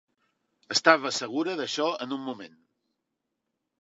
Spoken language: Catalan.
Estava segura d'això en un moment.